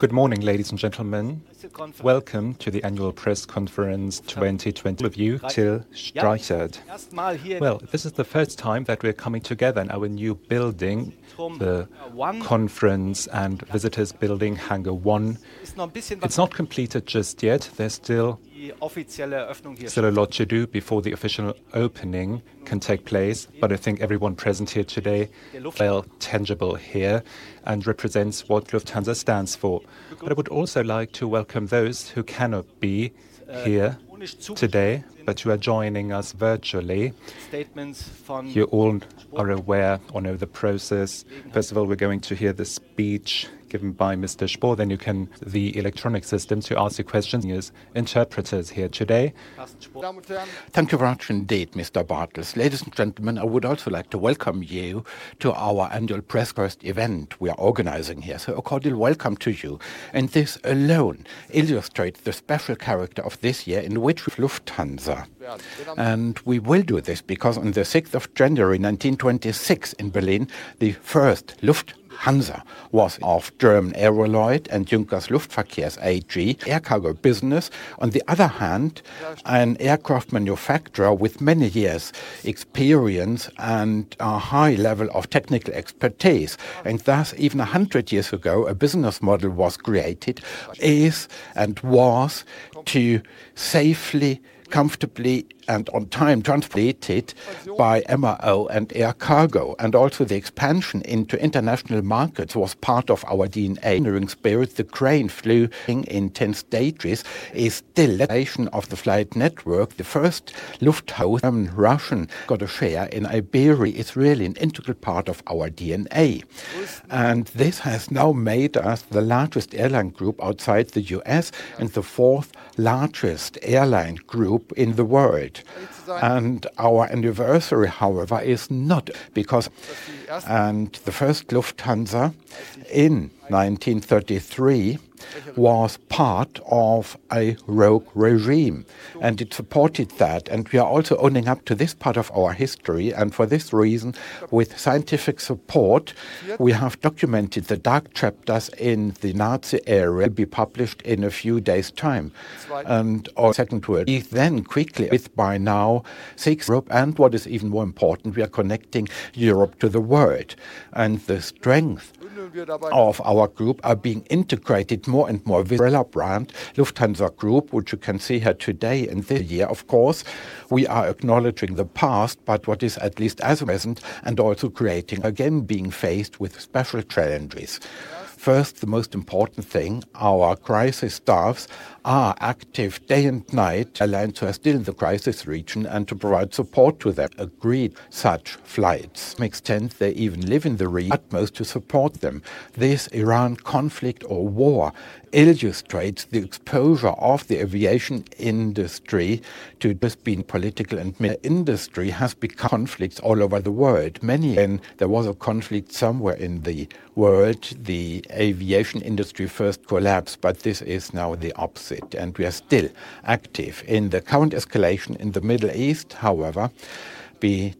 Good morning, ladies and gentlemen. Welcome to the annual press conference 2026 review Till Streichert. Well, this is the first time that we're coming together in our new building, the conference and visitors building Hangar 1. It's not completed just yet. There's still a lot to do before the official opening can take place. I think everyone present here today feel tangible here and represents what Lufthansa stands for. I would also like to welcome those who cannot be here today, but who are joining us virtually. You all are aware or know the process. First of all, we're going to hear the speech given by Mr. Spohr. You can the electronic system to ask your questions. Interpreters here today. Thank you very much indeed, Mr. Bartels. Ladies and gentlemen, I would also like to welcome you to our annual press event we are organizing here. A cordial welcome to you. This alone illustrates the special character of this year in which Lufthansa. We will do this because on the 6 January 1926 in Berlin, the first Lufthansa was of Deutscher Aero Lloyd and Junkers Luftverkehr AG air cargo business. On the other hand, an aircraft manufacturer with many years experience and a high level of technical expertise. Thus, even 100 years ago, a business model was created, is, and was to safely, comfortably, and on time translated by MRO and air cargo. Also the expansion into international markets was part of our DNA. Engineering spirit. The crane flew in intense stages is still of the flight network. The first Lufthansa Russian got a share in Iberia is really an integral part of our DNA. This has now made us the largest airline group outside the U.S. and the fourth largest airline group in the world. Our anniversary, however, is not because and the first Lufthansa in 1933 was part of a rogue regime, and it supported that. We are also owning up to this part of our history. For this reason, with scientific support, we have documented the dark chapters in the Nazi era will be published in a few days time. Our second we then quickly with by now 6 group. What is even more important, we are connecting Europe to the world and the strength of our group are being integrated more and more with Lufthansa Group, which you can see here today. This year, of course, we are acknowledging the past. What is at least as present and also creating again being faced with special challenges. First, the most important thing, our crisis staffs are active day and night aligned to us still in the crisis region and to provide support to them. Agreed such flights makes sense. They even live in the utmost to support them. This Iran conflict or war illustrates the exposure of the aviation industry to just being political and industry has become conflicts all over the world. Many when there was a conflict somewhere in the world, the aviation industry first collapsed. This is now the opposite. We are still active in the current escalation in the Middle East, however, the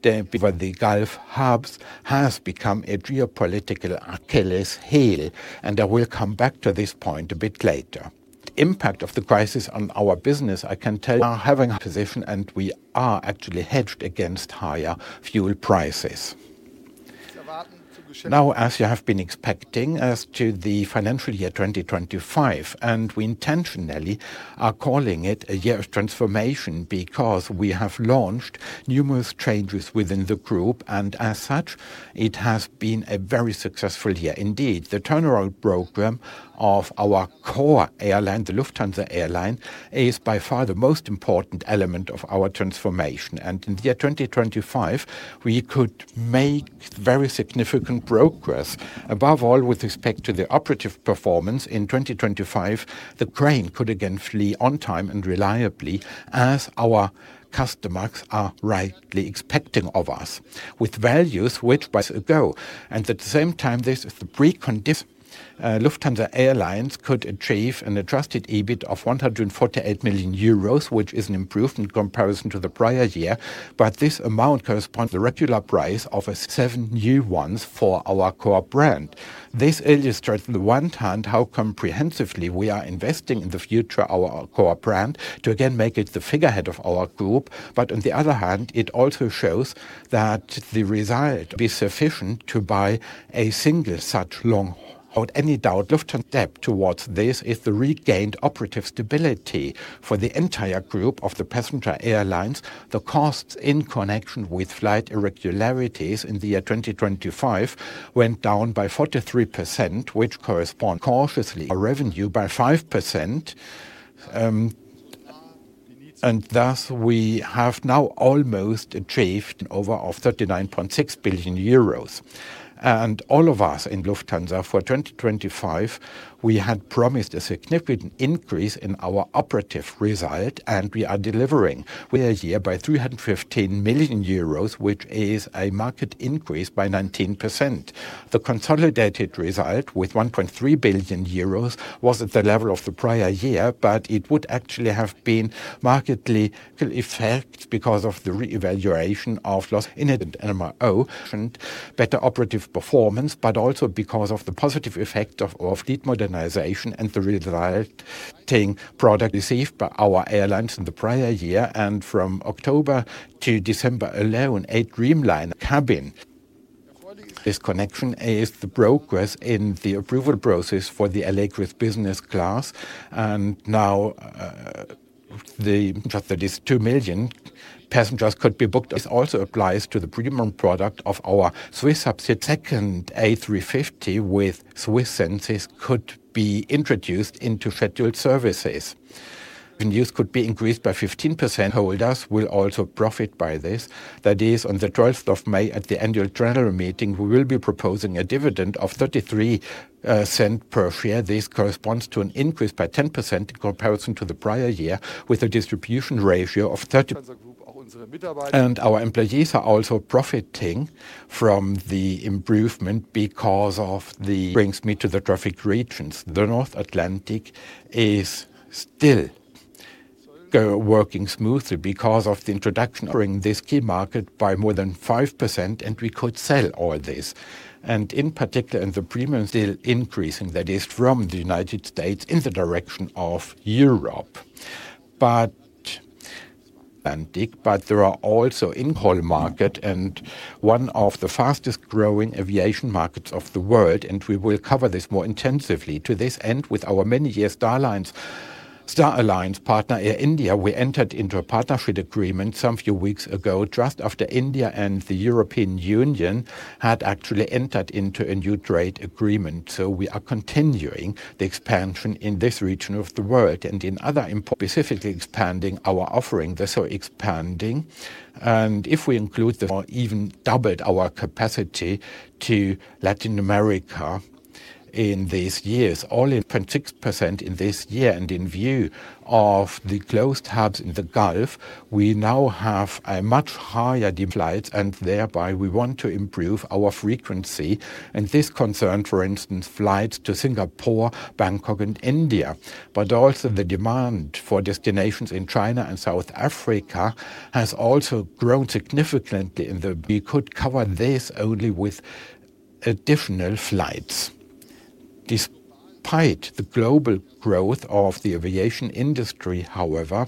Gulf hubs has become a geopolitical Achilles heel. I will come back to this point a bit later. Impact of the crisis on our business, I can tell you are having a position. We are actually hedged against higher fuel prices. Now, as you have been expecting as to the financial year 2025. We intentionally are calling it a year of transformation because we have launched numerous changes within the group. As such, it has been a very successful year indeed. The turnaround program of our core airline, the Lufthansa, is by far the most important element of our transformation. In the year 2025, we could make very significant progress. Above all, with respect to the operative performance in 2025, the crane could again flee on time and reliably as our customers are rightly expecting of us with values which go. At the same time, this is the precondition. Lufthansa Airlines could achieve an adjusted EBIT of 148 million euros, which is an improvement in comparison to the prior year. This amount corresponds the regular price of seven new ones for our core brand. This illustrates on the one hand how comprehensively we are investing in the future our core brand to again make it the figurehead of our group. On the other hand, it also shows that the result be sufficient to buy a single such long without any doubt. Lufthansa step towards this is the regained operative stability for the entire group of the passenger airlines. The costs in connection with flight irregularities in the year 2025 went down by 43%, which correspond cautiously revenue by 5%, thus we have now almost achieved over of 39.6 billion euros. All of us in Lufthansa for 2025, we had promised a significant increase in our operative result, we are delivering we are here by 315 million euros, which is a market increase by 19%. The consolidated result with 1.3 billion euros was at the level of the prior year, but it would actually have been markedly effect because of the reevaluation of loss in MRO and better operative performance, but also because of the positive effect of fleet modernization and the resulting product received by our airlines in the prior year. From October to December alone, a Dreamliner cabin. This connection is the progress in the approval process for the Allegris business class, and now, the fact that these 2 million passengers could be booked. This also applies to the premium product of our SWISS subsidiary. Second A350 with SWISS Senses could be introduced into scheduled services. Use could be increased by 15%. Holders will also profit by this. That is, on the 12 May at the annual general meeting, we will be proposing a dividend of 0.33 per share. This corresponds to an increase by 10% in comparison to the prior year, with a distribution ratio of 30%. Our employees are also profiting from the improvement because of the. Brings me to the traffic regions. The North Atlantic is still working smoothly because of the introduction. Covering this key market by more than 5%, and we could sell all this, and in particular, in the premium still increasing, that is, from the United States in the direction of Europe. Atlantic, but there are also in whole market and one of the fastest growing aviation markets of the world. We will cover this more intensively. To this end, with our many years Star Alliance partner in India, we entered into a partnership agreement some few weeks ago, just after India and the European Union had actually entered into a new trade agreement. We are continuing the expansion in this region of the world and in other import. Specifically expanding our offering. They're expanding, if we include the. More even doubled our capacity to Latin America in these years, only 0.6% in this year. In view of the closed hubs in the Gulf, we now have a much higher demand. Flights, thereby we want to improve our frequency. This concerned, for instance, flights to Singapore, Bangkok, and India, but also the demand for destinations in China and South Africa has also grown significantly. We could cover this only with additional flights. Despite the global growth of the aviation industry, however,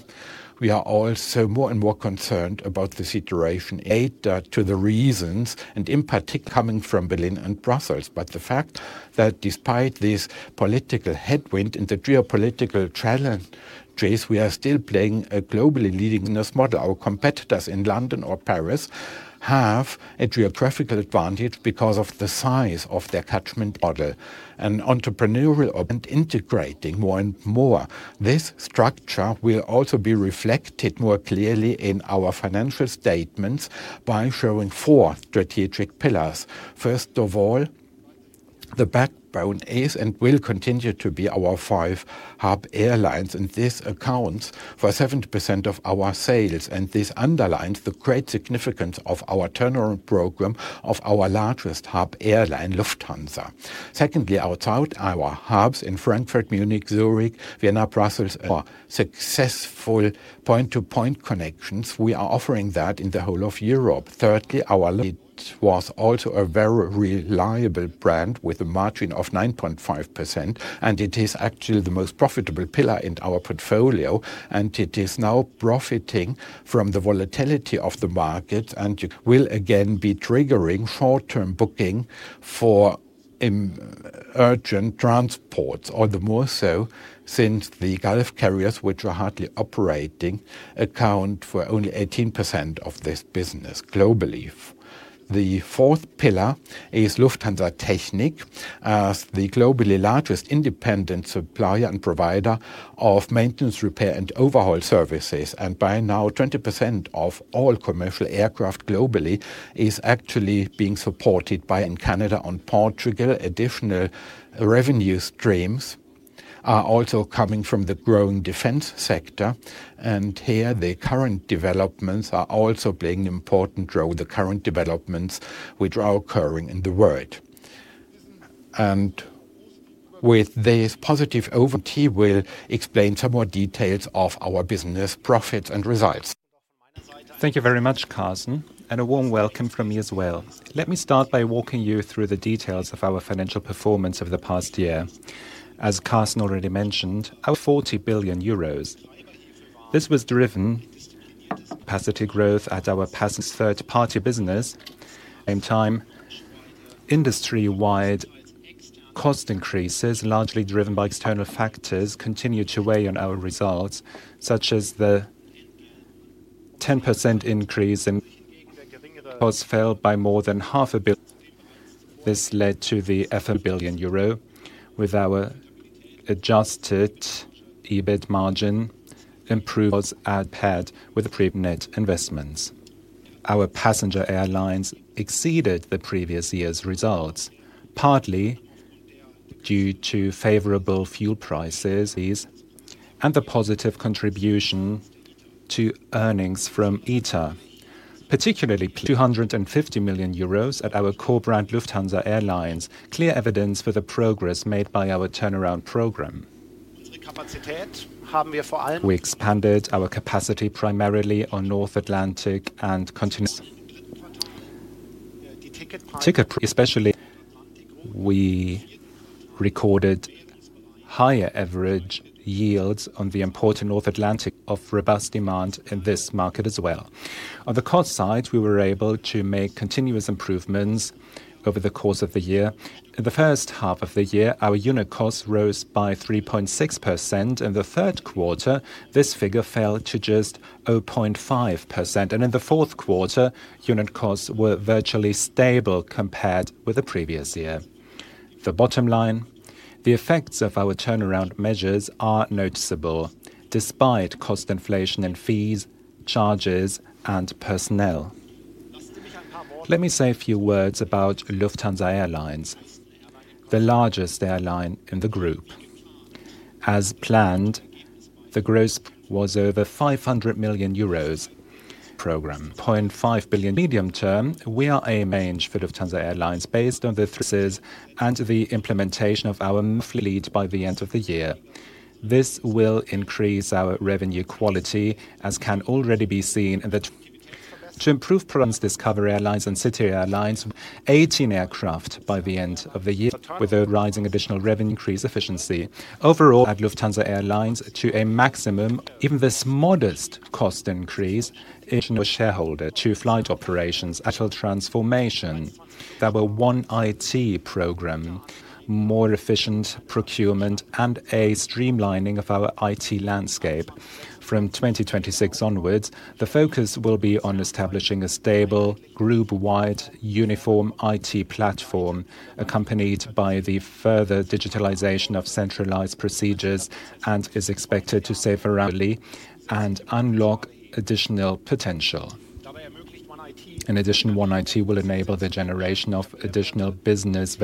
we are also more and more concerned about the situation. Eight to the reasons and in particular coming from Berlin and Brussels. The fact that despite this political headwind and the geopolitical challenges, we are still playing a globally leading business model. Our competitors in London or Paris have a geographical advantage because of the size of their catchment model and entrepreneurial. Integrating more and more. This structure will also be reflected more clearly in our financial statements by showing four strategic pillars. First of all, the backbone is and will continue to be our five hub airlines, and this accounts for 70% of our sales. This underlines the great significance of our turnaround program of our largest hub airline, Lufthansa. Secondly, outside our hubs in Frankfurt, Munich, Zurich, Vienna, Brussels. For successful point-to-point connections, we are offering that in the whole of Europe. Thirdly, It was also a very reliable brand with a margin of 9.5%, and it is actually the most profitable pillar in our portfolio, and it is now profiting from the volatility of the market. Will again be triggering short-term booking for urgent transports, all the more so since the Gulf carriers, which are hardly operating, account for only 18% of this business globally. The fourth pillar is Lufthansa Technik, as the globally largest independent supplier and provider of maintenance, repair, and overhaul services. By now, 20% of all commercial aircraft globally is actually being supported by. Canada and Portugal. Additional revenue streams are also coming from the growing defense sector, and here the current developments are also playing an important role. The current developments which are occurring in the world. With this positive overview, Till will explain some more details of our business profits and results. Thank you very much, Carsten, and a warm welcome from me as well. Let me start by walking you through the details of our financial performance over the past year. As Carsten already mentioned, our 40 billion euros. This was driven. Capacity growth at our past. Third-party business. Same time. Industry-wide cost increases, largely driven by external factors, continued to weigh on our results, such as the 10% increase in. Cost fell by more than half a bill. This led to the effort. Billion euro with our adjusted EBIT margin improved. Was outpaced with the pre net investments. Our passenger airlines exceeded the previous year's results, partly due to favorable fuel prices. The positive contribution to earnings from ITA Airways, particularly. 250 million euros at our core brand, Lufthansa Airlines. Clear evidence for the progress made by our turnaround program. We expanded our capacity primarily on North Atlantic and continental. Ticket. Especially, we recorded higher average yields on the important North Atlantic of robust demand in this market as well. On the cost side, we were able to make continuous improvements over the course of the year. In the first half of the year, our unit costs rose by 3.6%. In the third quarter, this figure fell to just 0.5%, and in the fourth quarter, unit costs were virtually stable compared with the previous year. The bottom line, the effects of our turnaround measures are noticeable despite cost inflation and fees, charges, and personnel. Let me say a few words about Lufthansa Airlines, the largest airline in the group. As planned, the gross was over 500 million euros, program 0.5 billion medium-term. We are a main Lufthansa Airlines based on the services and the implementation of our lead by the end of the year. This will increase our revenue quality, as can already be seen in the to improve products, Discover Airlines and Lufthansa City Airlines, 18 aircraft by the end of the year with a rising additional revenue increase efficiency. Overall, at Lufthansa Airlines to a maximum. Even this modest cost increase in a shareholder to flight operations at a transformation. There were OneIT program, more efficient procurement, and a streamlining of our IT landscape. From 2026 onwards, the focus will be on establishing a stable group-wide uniform IT platform, accompanied by the further digitalization of centralized procedures and is expected to save around and unlock additional potential. In addition, OneIT will enable the generation of additional business.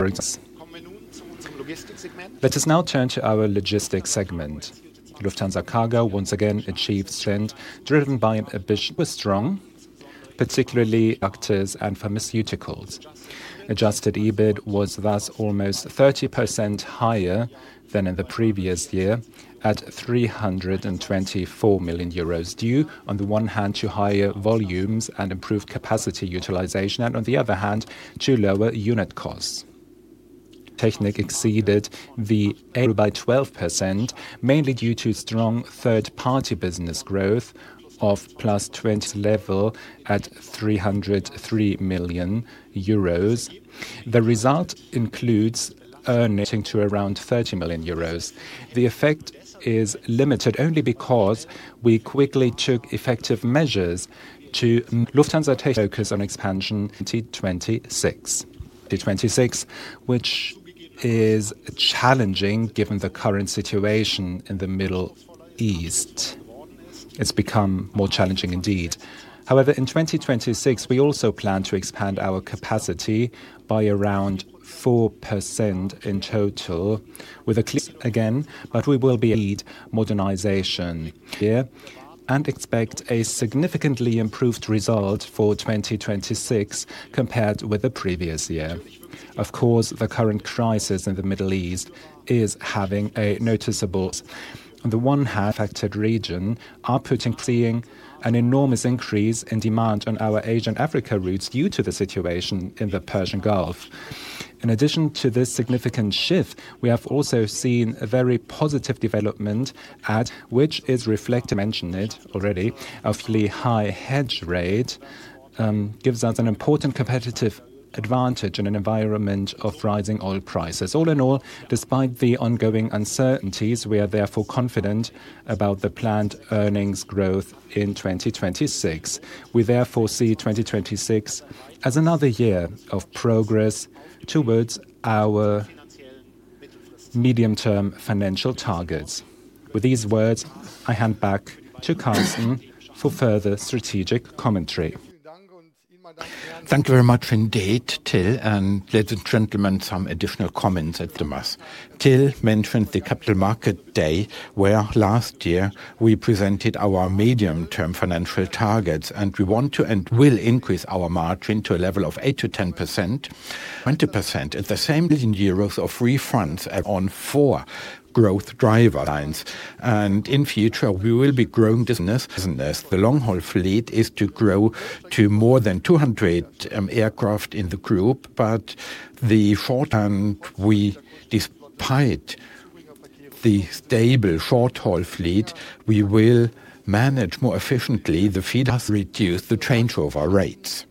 Let us now turn to our logistics segment. Lufthansa Cargo once again achieves trend driven by an ambition with strong, particularly actors and pharmaceuticals. Adjusted EBIT was thus almost 30% higher than in the previous year at 324 million euros, due on the one hand to higher volumes and improved capacity utilization and on the other hand, to lower unit costs. Technique exceeded the by 12%, mainly due to strong third-party business growth of plus 20 level at 303 million euros. The result includes earning to around 30 million euros. The effect is limited only because we quickly took effective measures to Lufthansa focus on expansion 2026. 2026, which is challenging given the current situation in the Middle East. It's become more challenging indeed. In 2026, we also plan to expand our capacity by around 4% in total with a clear again, but we will be lead modernization here and expect a significantly improved result for 2026 compared with the previous year. Of course, the current crisis in the Middle East is having a noticeable. Affected region are seeing an enormous increase in demand on our Asian Africa routes due to the situation in the Persian Gulf. In addition to this significant shift, we have also seen a very positive development at which is reflected. Mention it already, awfully high hedge rate gives us an important competitive advantage in an environment of rising oil prices. Despite the ongoing uncertainties, we are therefore confident about the planned earnings growth in 2026. We therefore see 2026 as another year of progress towards our medium-term financial targets. With these words, I hand back to Carsten for further strategic commentary. Thank you very much indeed, Till, ladies and gentlemen, some additional comments at the mass. Till mentioned the Capital Markets Day, where last year we presented our medium-term financial targets, and we want to and will increase our margin to a level of 8%-10%. 20%. At the same 1 billion euros of refunds on four growth driver lines. In future, we will be growing business. The long-haul fleet is to grow to more than 200 aircraft in the group. The short term, we despite the stable short-haul fleet, we will manage more efficiently. The fleet has reduced the changeover rates.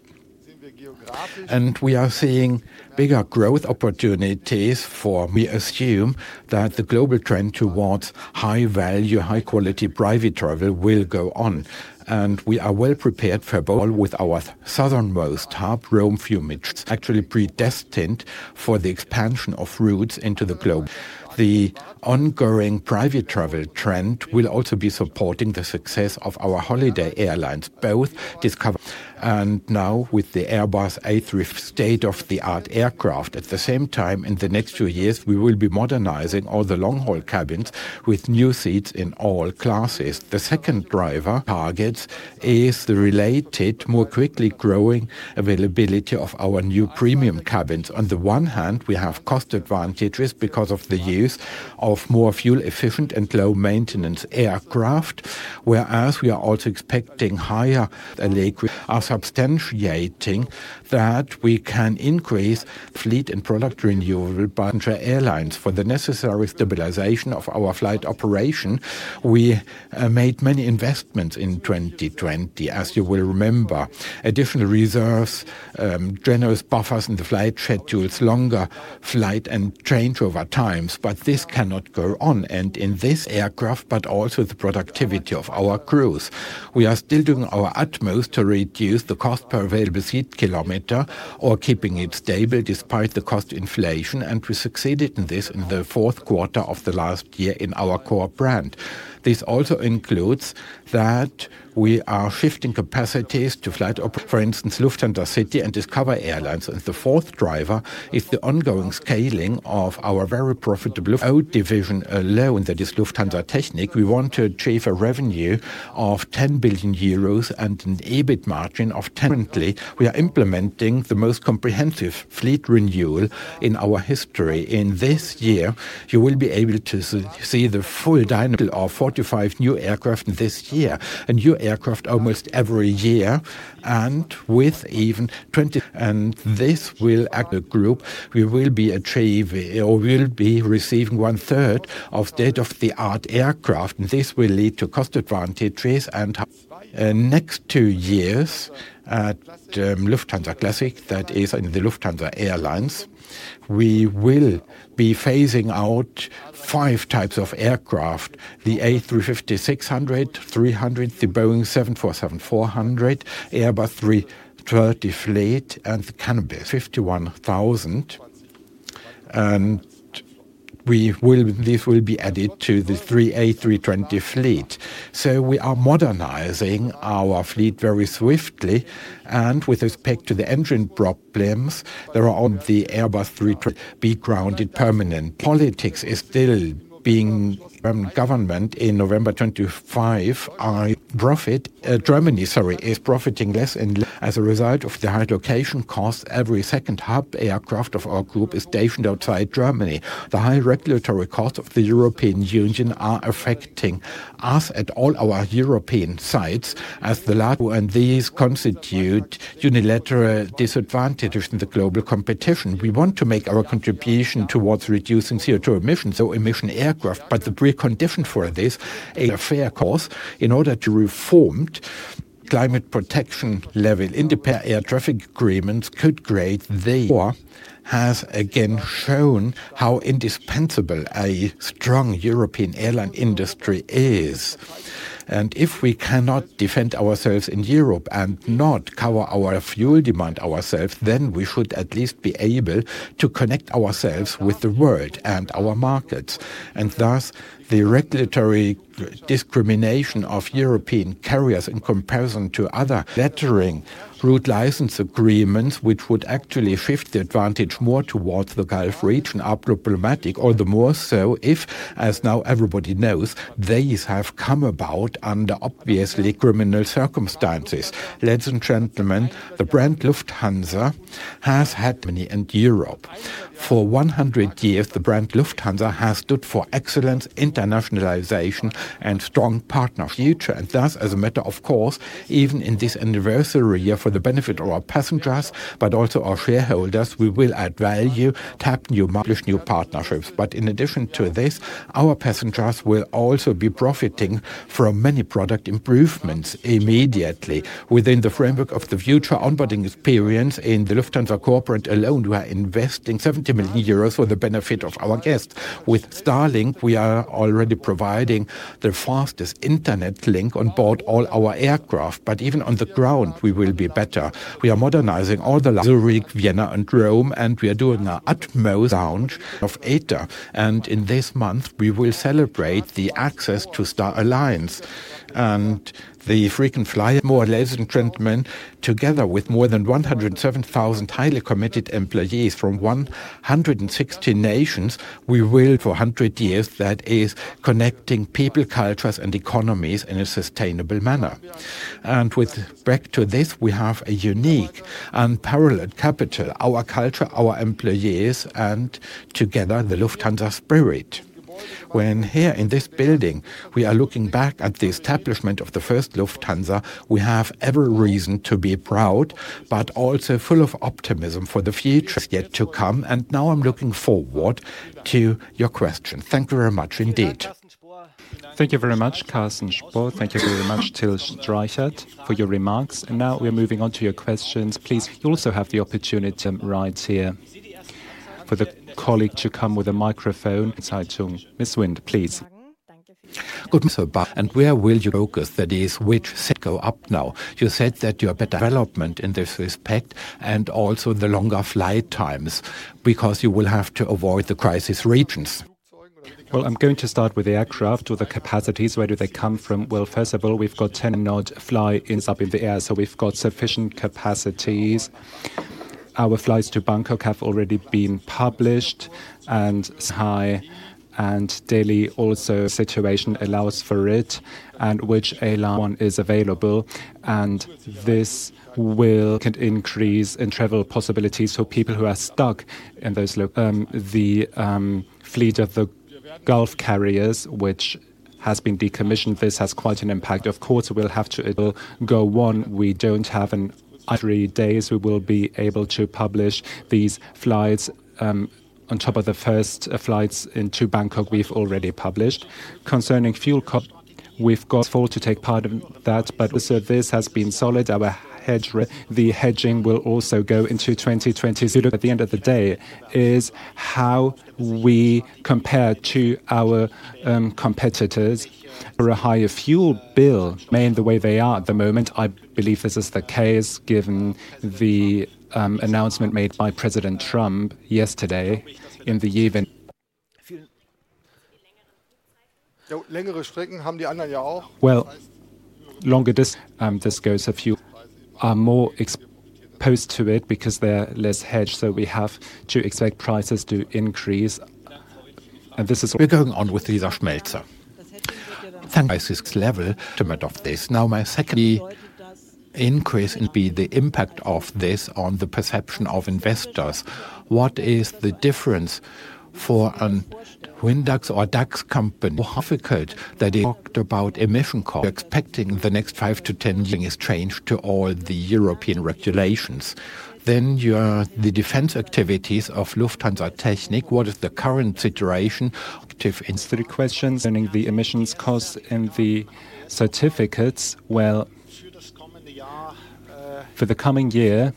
We are seeing bigger growth opportunities for we assume that the global trend towards high value, high quality private travel will go on. We are well prepared for both with our southernmost hub, Rome Fiumicino, it's actually predestined for the expansion of routes into the globe. The ongoing private travel trend will also be supporting the success of our holiday airlines, both Discover and now with the Airbus A350 state-of-the-art aircraft. At the same time, in the next few years, we will be modernizing all the long-haul cabins with new seats in all classes. The second driver targets is the related more quickly growing availability of our new premium cabins. On the one hand, we have cost advantages because of the use of more fuel efficient and low maintenance aircraft, whereas we are also expecting higher are substantiating that we can increase fleet and product renewal airlines. For the necessary stabilization of our flight operation, we made many investments in 2020, as you will remember. Additional reserves, generous buffers in the flight schedules, longer flight and changeover times. This cannot go on. In this aircraft, but also the productivity of our crews, we are still doing our utmost to reduce the cost per available seat kilometer or keeping it stable despite the cost inflation, and we succeeded in this in the fourth quarter of the last year in our core brand. This also includes that we are shifting capacities to flight op, for instance, Lufthansa City and Discover Airlines. The fourth driver is the ongoing scaling of our very profitable division alone that is Lufthansa Technik. We want to achieve a revenue of 10 billion euros and an EBIT margin of 10%. Currently, we are implementing the most comprehensive fleet renewal in our history. In this year, you will be able to see the full dynamic of 45 new aircraft this year, a new aircraft almost every year, and with even 20. This will Lufthansa Group, we will be achieving or will be receiving 1/3 of state-of-the-art aircraft, and this will lead to cost advantages. In next two years at Lufthansa Classic, that is in the Lufthansa Airlines, we will be phasing out five types of aircraft, the A340-600, 300, the Boeing 747-400, Airbus A320 fleet and the canopy 51,000. This will be added to the three A320 fleet. We are modernizing our fleet very swiftly and with respect to the engine problems, there are on the Airbus A320 be grounded permanently. Politics is still being government in November 25 are profit, Germany, sorry, is profiting less and as a result of the high location costs, every second hub aircraft of our Group is stationed outside Germany. The high regulatory costs of the European Union are affecting us at all our European sites as the lab and these constitute unilateral disadvantages in the global competition. We want to make our contribution towards reducing CO2 emissions or emission aircraft, but the precondition for this a fair course in order to reform climate protection level independent air traffic agreements could create the war has again shown how indispensable a strong European airline industry is. If we cannot defend ourselves in Europe and not cover our fuel demand ourselves, then we should at least be able to connect ourselves with the world and our markets. Thus the regulatory discrimination of European carriers in comparison to other route license agreements, which would actually shift the advantage more towards the Gulf region are problematic or the more so if, as now everybody knows, these have come about under obviously criminal circumstances. Ladies and gentlemen, the brand Lufthansa has had many in Europe. For 100 years, the brand Lufthansa has stood for excellence, internationalization, and strong partnerships. Future, as a matter of course, even in this anniversary year for the benefit of our passengers, but also our shareholders, we will add value, tap new markets, establish new partnerships. In addition to this, our passengers will also be profiting from many product improvements immediately. Within the framework of the future onboarding experience in the Lufthansa corporate alone, we are investing 70 million euros for the benefit of our guests. With Starlink, we are already providing the fastest internet link on board all our aircraft, but even on the ground, we will be better. We are modernizing all the Zurich, Vienna, and Rome, and we are doing our utmost lounge of ITA. In this month, we will celebrate the access to Star Alliance and the frequent flyer more or less in treatment together with more than 107,000 highly committed employees from 160 nations, we will for 100 years that is connecting people, cultures, and economies in a sustainable manner. With back to this, we have a unique unparalleled capital, our culture, our employees, and together the Lufthansa spirit. When here in this building, we are looking back at the establishment of the first Lufthansa, we have every reason to be proud, but also full of optimism for the future yet to come. Now I'm looking forward to your questions. Thank you very much indeed. Thank you very much, Carsten Spohr. Thank you very much, Till Streichert, for your remarks. Now we're moving on to your questions. Please, you also have the opportunity right here for the colleague to come with a microphone. Miss Wind, please. Good morning, sir. Where will you focus? That is, which set go up now? You said that you have better development in this respect and also the longer flight times because you will have to avoid the crisis regions. I'm going to start with the aircraft, with the capacities. Where do they come from? First of all, we've got 10-and-odd freighters, we've got sufficient capacities. Our flights to Bangkok have already been published, and high and daily also situation allows for it, which alarm is available. This will can increase in travel possibilities for people who are stuck in those. The fleet of the Gulf carriers which has been decommissioned, this has quite an impact. Of course, it'll go on. In three days we will be able to publish these flights on top of the 1st flights into Bangkok we've already published. Concerning fuel we've got four to take part of that, also this has been solid. Our hedging will also go into 2020. At the end of the day is how we compare to our competitors or a higher fuel bill main the way they are at the moment. I believe this is the case given the announcement made by President Trump yesterday in the event. Longer this goes a few are more exposed to it because they're less hedged, so we have to expect prices to increase. This is level estimate of this. My second increase and be the impact of this on the perception of investors. We're going on with Lisa Schmelzer. Thank you. What is the difference for an TecDAX or DAX company? How difficult that they talked about emission cost? Expecting the next five-10 years change to all the European regulations. The defense activities of Lufthansa Technik, what is the current situation? Active in study questions. Concerning the emissions costs and the certificates, well, for the coming year,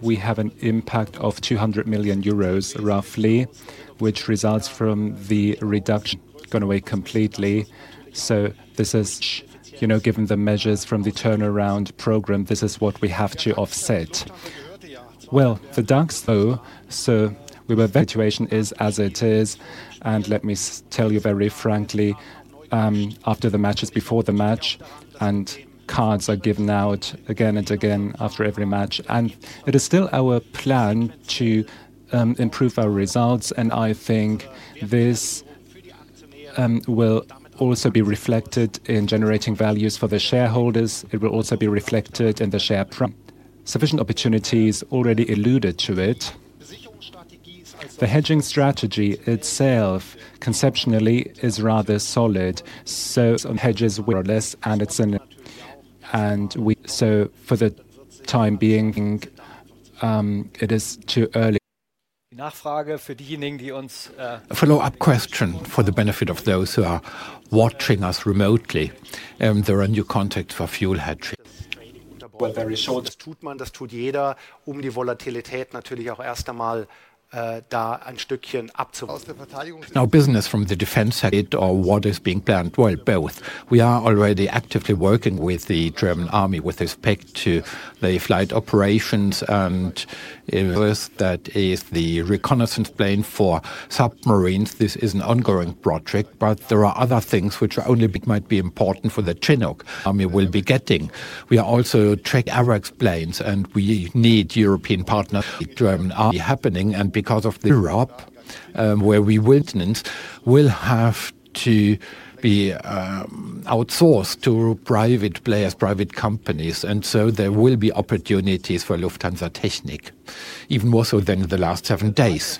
we have an impact of 200 million euros roughly, which results from the reduction gone away completely. This is, you know, given the measures from the turnaround program, this is what we have to offset. For DAX though, we were situation is as it is. Let me tell you very frankly, after the matches, before the match, cards are given out again and again after every match. It is still our plan to improve our results, and I think this will also be reflected in generating values for the shareholders. It will also be reflected in the share. Sufficient opportunities already alluded to it. The hedging strategy itself, conceptually, is rather solid. Some hedges were less and it's in. For the time being, it is too early. A follow-up question for the benefit of those who are watching us remotely. There are new contacts for fuel hedging. Very short. Now business from the defense side or what is being planned? Both. We are already actively working with the German Army with respect to the flight operations, first that is the reconnaissance plane for submarines. This is an ongoing project, there are other things which might be important for the Chinook the Army will be getting. We are also track Arab planes, and we need European partners, the German Army happening and because of the Europe, where we maintenance will have to be outsourced to private players, private companies. There will be opportunities for Lufthansa Technik, even more so than the last seven days.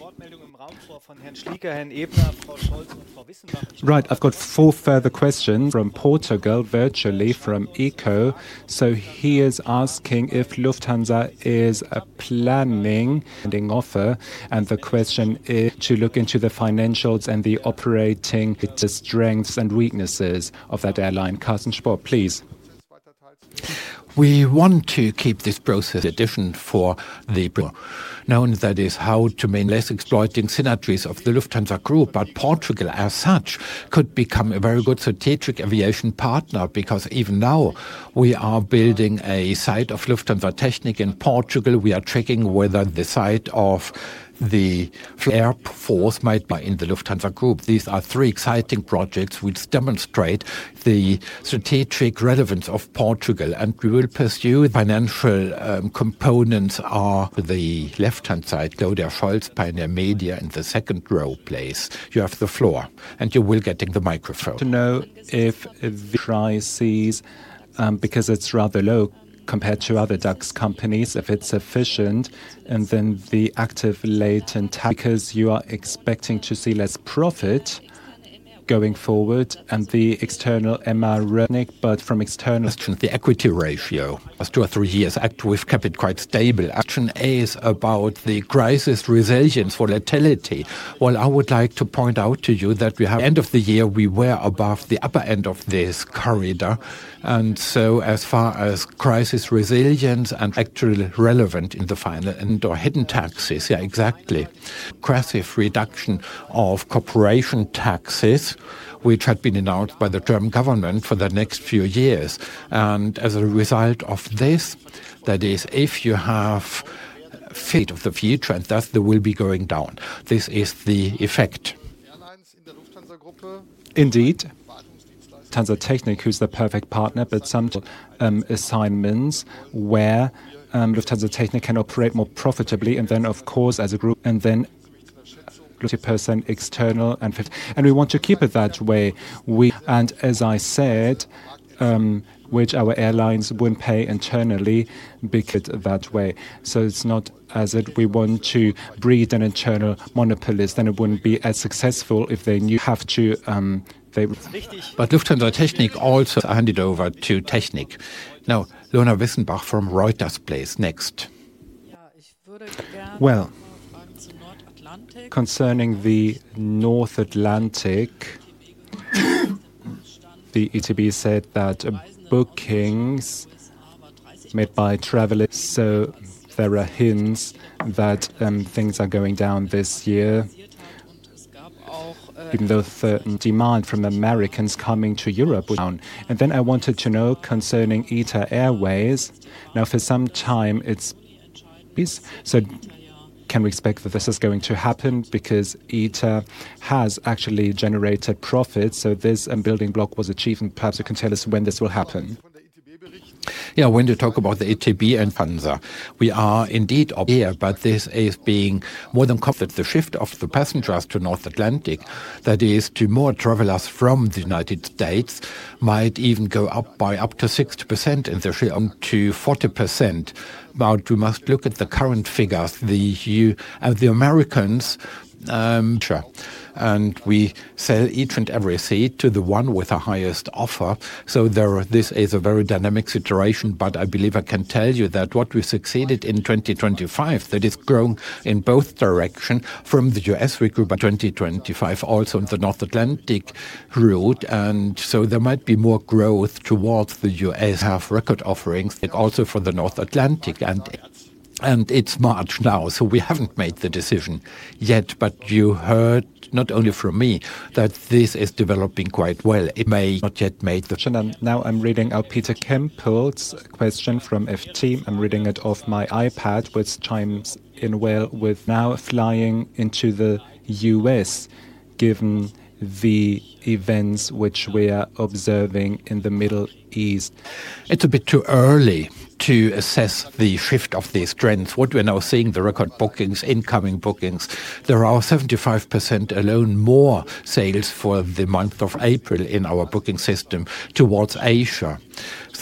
I've got four further questions from Portugal, virtually from ECO. He is asking if Lufthansa is planning ending offer. The question is to look into the financials and the operating, the strengths and weaknesses of that airline. Carsten Spohr, please. We want to keep this process addition for the known, that is how to main less exploiting synergies of the Lufthansa Group. Portugal as such could become a very good strategic aviation partner because even now we are building a site of Lufthansa Technik in Portugal. We are tracking whether the site of the air force might be in the Lufthansa Group. These are three exciting projects which demonstrate the strategic relevance of Portugal, and we will pursue it. Financial components are the left-hand side, go to our files by their media in the second row place. You have the floor, and you will get the microphone. To know if the prices, because it's rather low compared to other DAX companies, if it's sufficient, and then the active latent. You are expecting to see less profit going forward and the external MRO but from external through the equity ratio. Last two or three years, actually, we've kept it quite stable. Action A is about the crisis resilience volatility. I would like to point out to you that we have at the end of the year, we were above the upper end of this corridor. As far as crisis resilience and actually relevant in the final end or hidden taxes exactly. Aggressive reduction of corporation taxes, which had been announced by the German government for the next few years. That is, if you have fate of the future, and thus they will be going down. This is the effect. Indeed. Lufthansa Technik, who's the perfect partner, but some assignments where Lufthansa Technik can operate more profitably. Of course, as a group, 50% external and 50. We want to keep it that way. As I said, which our airlines wouldn't pay internally because it that way. It's not as if we want to breed an internal monopolist, and it wouldn't be as successful if they knew have to, they would Lufthansa Technik also handed over to Technik. Ilona Wissenbach from Reuters, please. Next. Concerning the North Atlantic, the ITB said that bookings made by travelers, there are hints that things are going down this year. Even though demand from Americans coming to Europe would I wanted to know concerning ITA Airways. For some time, it's been can we expect that this is going to happen? ITA has actually generated profits, this building block was achieved, perhaps you can tell us when this will happen. Yeah. When you talk about the ITB and Lufthansa, we are indeed obvious, but this is being more than confident. The shift of the passengers to North Atlantic, that is to more travelers from the United States, might even go up by up to 60% in the to 40%. We must look at the current figures. The Americans, Sure. We sell each and every seat to the one with the highest offer. There this is a very dynamic situation, but I believe I can tell you that what we succeeded in 2025, that is growing in both direction from the US, we grew by 2025 also in the North Atlantic route. There might be more growth towards the US have record offerings and also for the North Atlantic. It's March now, so we haven't made the decision yet. You heard not only from me that this is developing quite well. It may not yet made. Now I'm reading out Peter Kempel's question from FT. I'm reading it off my iPad, which chimes in well with now flying into the US given the events which we are observing in the Middle East. It's a bit too early to assess the shift of these trends. What we're now seeing, the record bookings, incoming bookings, there are 75% alone more sales for the month of April in our booking system towards Asia.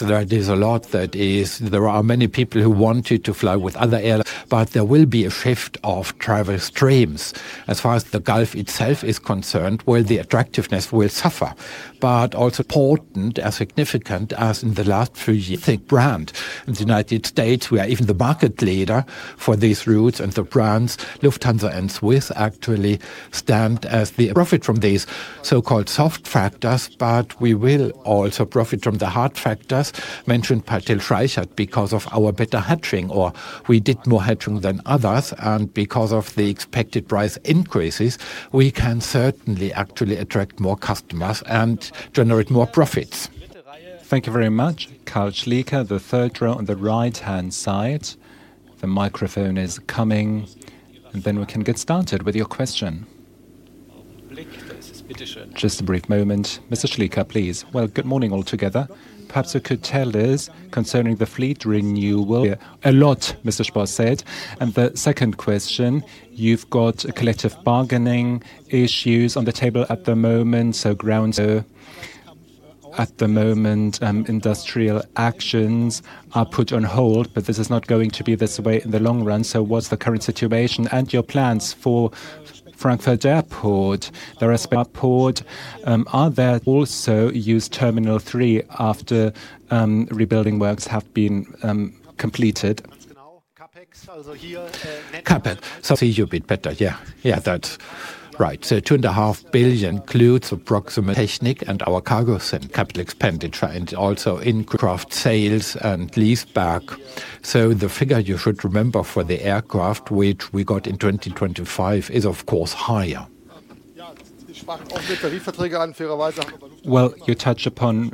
There is a lot that there are many people who wanted to fly with other airlines, but there will be a shift of travel streams as far as the Gulf itself is concerned, where the attractiveness will suffer. Also important and significant as in the last few years, I think brand. In the United States, we are even the market leader for these routes and the brands Lufthansa and SWISS actually stand as the profit from these so-called soft factors, but we will also profit from the hard factors mentioned by Till Streichert because of our better hedging, or we did more hedging than others. Because of the expected price increases, we can certainly actually attract more customers and generate more profits. Thank you very much. Carl Schleker, the third row on the right-hand side. The microphone is coming, and then we can get started with your question. Just a brief moment. Mr. Schleker, please. Good morning all together. Perhaps you could tell us concerning the fleet renewal. Yeah, a lot Mr. Spohr said. The second question, you've got collective bargaining issues on the table at the moment, ground at the moment. Industrial actions are put on hold, but this is not going to be this way in the long run. What's the current situation and your plans for Frankfurt Airport? There are airport, are there also use Terminal 3 after rebuilding works have been completed? CapEx. See you a bit better. Yeah, yeah. That's right. two and a half billion includes approximately Technik and our cargo segment. Capital expenditure and also in craft sales and lease back. The figure you should remember for the aircraft, which we got in 2025, is, of course, higher. You touch upon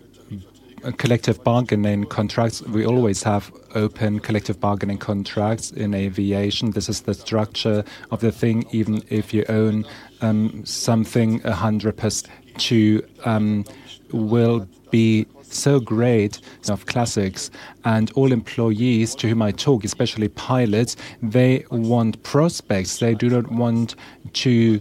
collective bargaining contracts. We always have open collective bargaining contracts in aviation. This is the structure of the thing, even if you own something 100% to will be so great of classics. All employees to whom I talk, especially pilots, they want prospects. They do not want to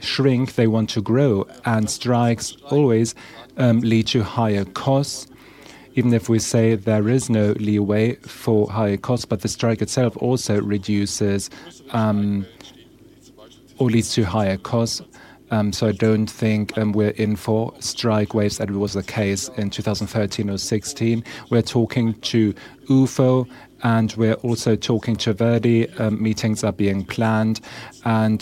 shrink. They want to grow. Strikes always lead to higher costs. Even if we say there is no leeway for higher costs, the strike itself also reduces or leads to higher costs. I don't think we're in for strike waves as was the case in 2013 or 2016. We're talking to UFO, we're also talking to ver.di. Meetings are being planned,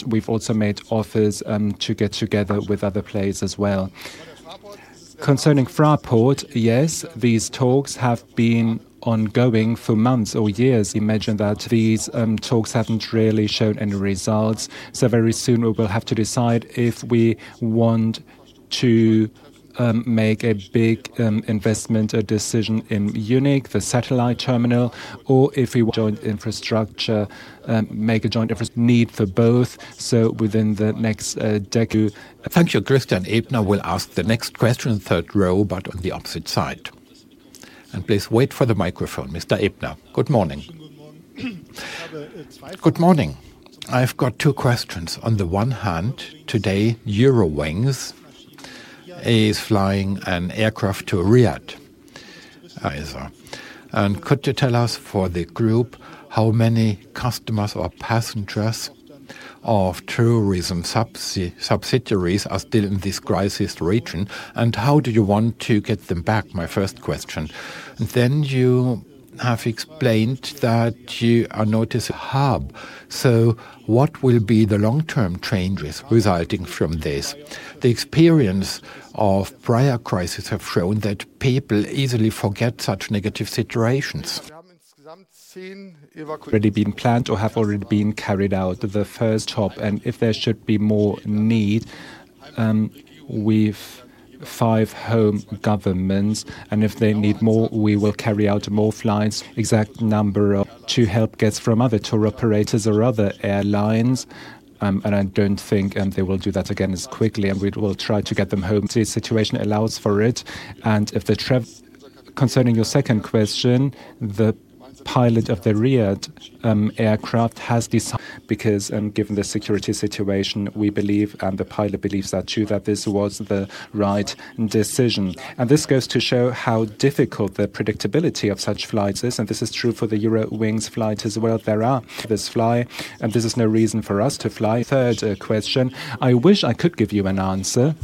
we've also made offers to get together with other players as well. Concerning Fraport, yes, these talks have been ongoing for months or years. Imagine that these talks haven't really shown any results. Very soon, we will have to decide if we want to make a big investment decision in Munich, the satellite terminal, or if we want joint infrastructure, make a joint effort. Need for both, within the next. Thank you. Christian Ebner will ask the next question, third row, but on the opposite side. Please wait for the microphone. Mr. Ebner, good morning. Good morning. I've got two questions. On the one hand, today Eurowings is flying an aircraft to Riyadh. Could you tell us for the group how many customers or passengers of tourism subsidiaries are still in this crisis region, and how do you want to get them back? My first question. You have explained that you are not as a hub. What will be the long-term changes resulting from this? The experience of prior crises have shown that people easily forget such negative situations. Already been planned or have already been carried out. The first hop. If there should be more need, we've five home governments, and if they need more, we will carry out more flights. Exact number of to help guests from other tour operators or other airlines. I don't think they will do that again as quickly, and we will try to get them home. The situation allows for it. Concerning your second question, the pilot of the Riyadh aircraft has. Because, given the security situation, we believe and the pilot believes that too that this was the right decision. This goes to show how difficult the predictability of such flights is, and this is true for the Eurowings flight as well. There are this fly. This is no reason for us to fly. Third question. I wish I could give you an answer.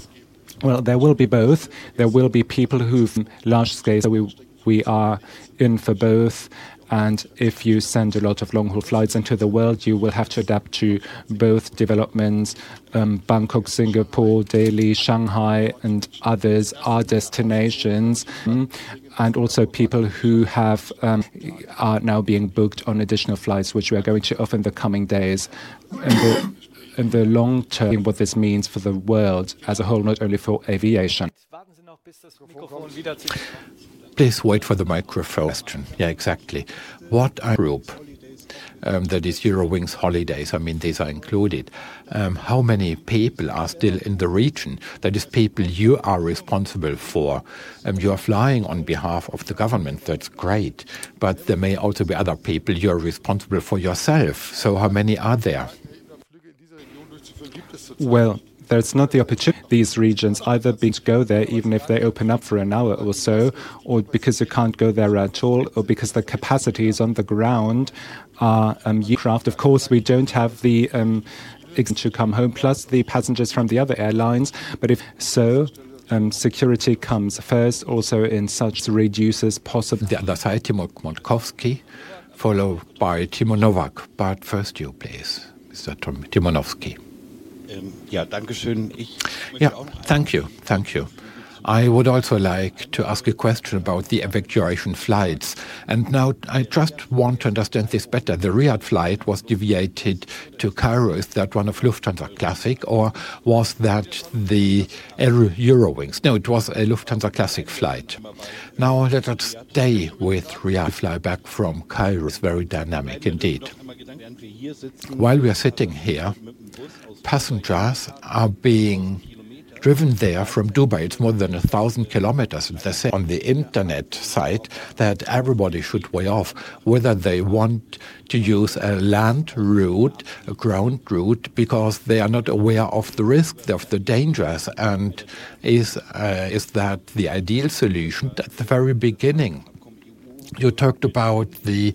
There will be both. There will be people who've large scale. we are in for both, and if you send a lot of long-haul flights into the world, you will have to adapt to both developments. Bangkok, Singapore, Delhi, Shanghai, and others are destinations. also people who have, are now being booked on additional flights, which we are going to offer in the coming days. In the long term, what this means for the world as a whole not only for aviation. Please wait for the microphone. Question. Yeah, exactly. What Group, that is Eurowings Holidays, I mean, these are included. How many people are still in the region? That is people you are responsible for. You are flying on behalf of the government. That's great. There may also be other people you are responsible for yourself. How many are there? There's not the These regions either be to go there even if they open up for an hour or so, or because they can't go there at all, or because the capacities on the ground are craft. Of course, we don't have the to come home, plus the passengers from the other airlines. If so, security comes first also in such reduces. The other side, Timo Montkowski, followed by Timo Nowack. First you, please, Mr. Timo Montkowski. Thank you. Thank you. I would also like to ask a question about the evacuation flights. I just want to understand this better. The Riyadh flight was deviated to Cairo. Is that one of Lufthansa Classic, or was that the Eurowings? No, it was a Lufthansa Classic flight. Let us stay with Riyadh fly back from Cairo. It's very dynamic indeed. While we are sitting here, passengers are being driven there from Dubai. It's more than 1,000 kilometers. They say on the Internet site that everybody should weigh off whether they want to use a land route, a ground route, because they are not aware of the risks, of the dangers. Is that the ideal solution? At the very beginning, you talked about the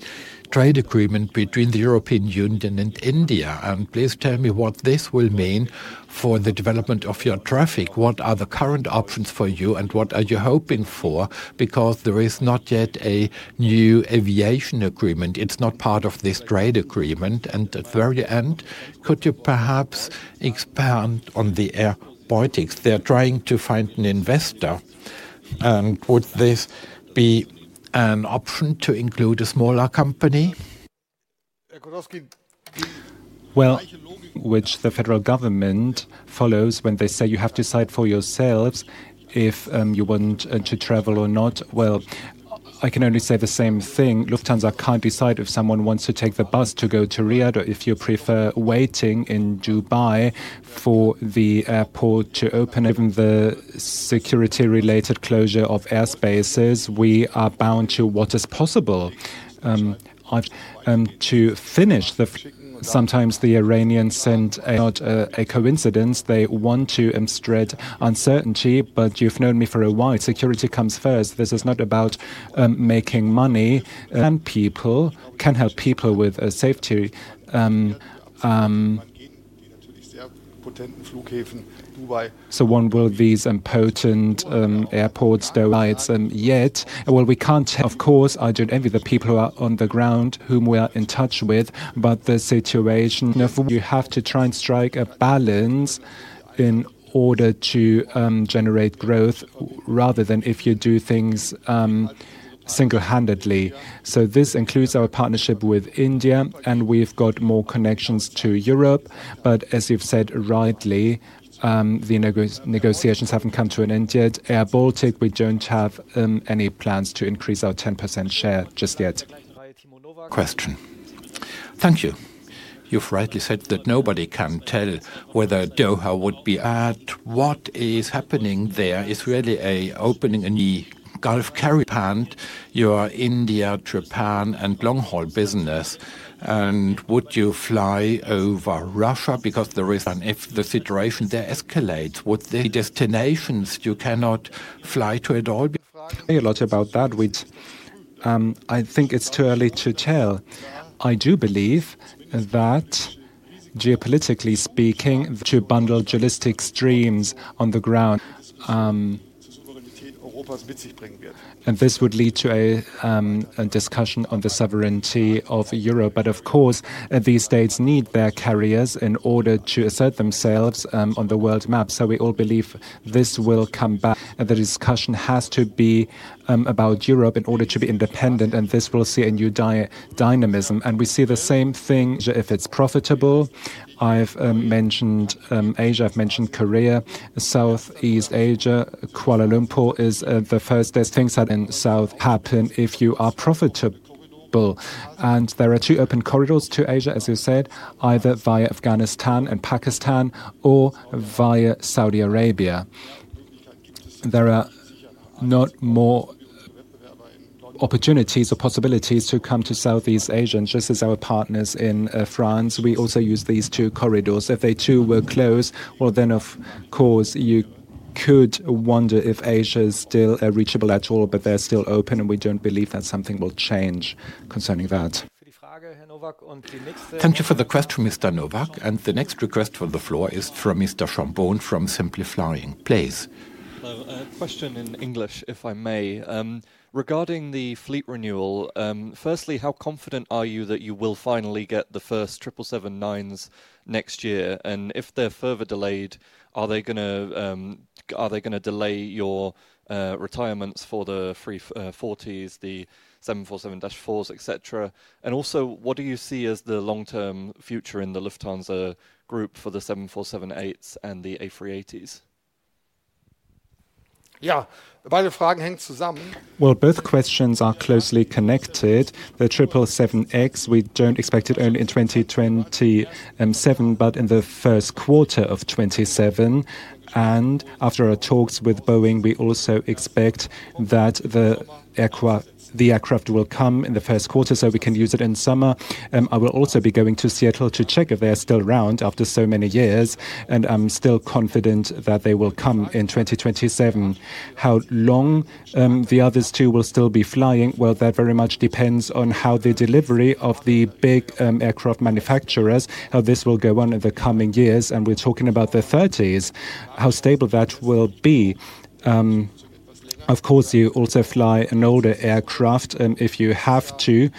trade agreement between the European Union and India. Please tell me what this will mean for the development of your traffic. What are the current options for you, and what are you hoping for? There is not yet a new aviation agreement. It's not part of this trade agreement. At the very end, could you perhaps expand on the air politics? They're trying to find an investor. Would this be an option to include a smaller company? Which the federal government follows when they say you have to decide for yourselves if you want to travel or not. I can only say the same thing. Lufthansa can't decide if someone wants to take the bus to go to Riyadh or if you prefer waiting in Dubai for the airport to open. Given the security-related closure of airspaces, we are bound to what is possible. Sometimes the Iranians send out a coincidence. They want to spread uncertainty, but you've known me for a while. Security comes first. This is not about making money. People can help people with safety. One world visa and potent airports, their rights. Of course, I don't envy the people who are on the ground whom we are in touch with, the situation. You have to try and strike a balance in order to generate growth rather than if you do things single-handedly. This includes our partnership with India, and we've got more connections to Europe. As you've said rightly, the negotiations haven't come to an end yet. airBaltic, we don't have any plans to increase our 10% share just yet. Question. Thank you. You've rightly said that nobody can tell whether Doha would be at. What is happening there is really an opening in the Gulf carrier hand, your India, Japan, and long-haul business. Would you fly over Russia? Because there is. If the situation there escalates, would the destinations you cannot fly to at all be? We hear a lot about that, which, I think it's too early to tell. I do believe that geopolitically speaking, to bundle journalistic streams on the ground. This would lead to a discussion on the sovereignty of Europe. Of course, these states need their carriers in order to assert themselves on the world map. We all believe this will come back. The discussion has to be about Europe in order to be independent, and this will see a new dynamism. We see the same thing if it's profitable. I've mentioned Asia, I've mentioned Korea. Southeast Asia, Kuala Lumpur is the first. There's things that in South happen if you are profitable. There are two open corridors to Asia, as you said, either via Afghanistan and Pakistan or via Saudi Arabia. There are not more opportunities or possibilities to come to Southeast Asia. Just as our partners in France, we also use these two corridors. If they too were closed, then of course you could wonder if Asia is still reachable at all, but they're still open, and we don't believe that something will change concerning that. Thank you for the question, Mr. Nowack. The next request for the floor is from Mr. Tom Boon from Simple Flying. Please. Hello. A question in English, if I may. Regarding the fleet renewal, firstly, how confident are you that you will finally get the first 777-9s next year? If they're further delayed, are they gonna delay your retirements for the A340s, the 747-400s, et cetera? Also, what do you see as the long-term future in the Lufthansa Group for the 747-8s and the A380s? Both questions are closely connected. The 777X, we don't expect it only in 2027, but in the first quarter of 27. After our talks with Boeing, we also expect that the aircraft will come in the first quarter, so we can use it in summer. I will also be going to Seattle to check if they are still around after so many years, I'm still confident that they will come in 2027. How long the others two will still be flying? That very much depends on how the delivery of the big aircraft manufacturers, how this will go on in the coming years, we're talking about the 30s, how stable that will be. Of course, you also fly an older aircraft if you have to.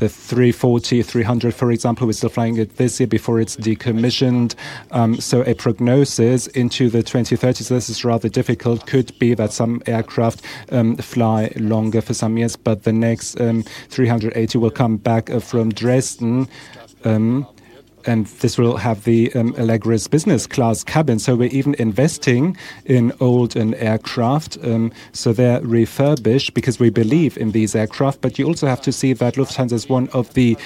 The Airbus A340-300, for example, we're still flying it this year before it's decommissioned. A prognosis into the 2030s, this is rather difficult, could be that some aircraft fly longer for some years. The next Airbus A380 will come back from Dresden, and this will have the Allegris business class cabin. We're even investing in old aircraft. They're refurbished because we believe in these aircraft. You also have to see that Lufthansa is one of the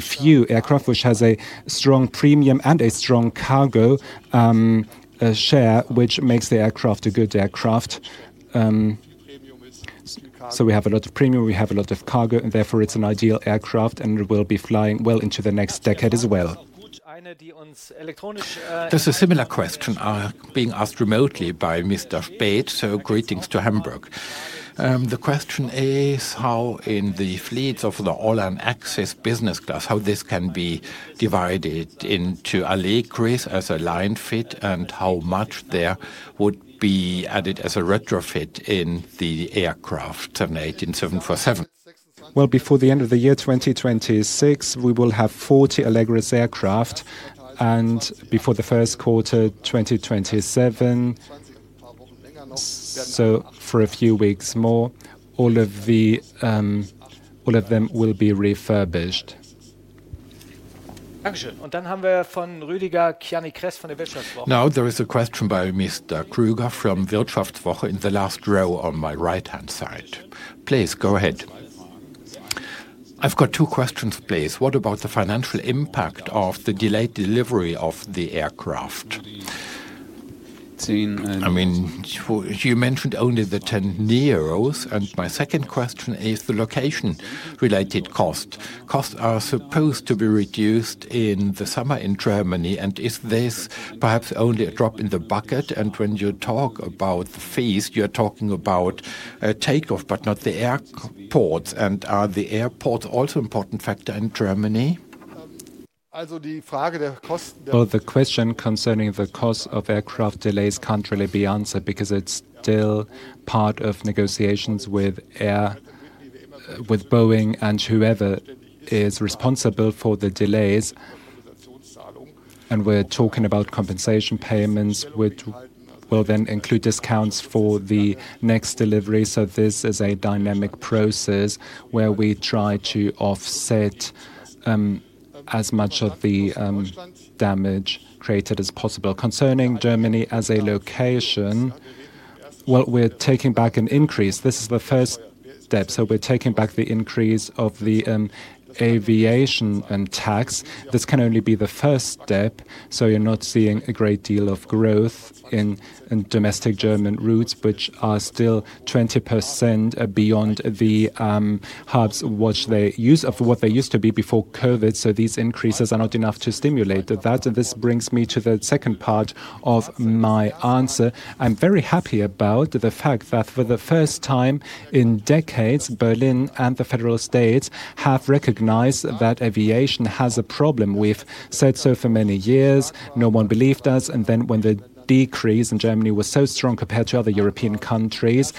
few aircraft which has a strong premium and a strong cargo share, which makes the aircraft a good aircraft. We have a lot of premium, we have a lot of cargo, and therefore it's an ideal aircraft and will be flying well into the next decade as well. There's a similar question being asked remotely by Mr. Spaeth. Greetings to Hamburg. The question is how in the fleets of the All and Axis business class, how this can be divided into Allegris as a line fit and how much there would be added as a retrofit in the aircraft, eight and 747. Well, before the end of the year 2026, we will have 40 Allegris aircraft. Before the first quarter 2027, so for a few weeks more, all of them will be refurbished. There is a question by Mr. Krüger from WirtschaftsWoche in the last row on my right-hand side. Please, go ahead. I've got two questions, please. What about the financial impact of the delayed delivery of the aircraft? I mean, you mentioned only the 10 Neos. My second question is the location related cost. Costs are supposed to be reduced in the summer in Germany. Is this perhaps only a drop in the bucket? When you talk about fees, you're talking about a takeoff, but not the airports. Are the airports also important factor in Germany? Well, the question concerning the cost of aircraft delays can't really be answered because it's still part of negotiations with Boeing and whoever is responsible for the delays. We're talking about compensation payments which will then include discounts for the next delivery. This is a dynamic process where we try to offset as much of the damage created as possible. Concerning Germany as a location, well, we're taking back an increase. This is the first step. We're taking back the increase of the aviation and tax. This can only be the first step, so you're not seeing a great deal of growth in domestic German routes, which are still 20% beyond the hubs of what they used to be before COVID. These increases are not enough to stimulate that. This brings me to the second part of my answer. I'm very happy about the fact that for the first time in decades, Berlin and the federal states have recognized that aviation has a problem. We've said so for many years. No one believed us. When the decrease in Germany was so strong compared to other European countries,